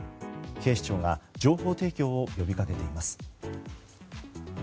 警視庁が情報提供を呼びかけています。